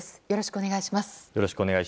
よろしくお願いします。